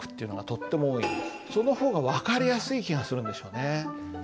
その方が分かりやすい気がするんでしょうね。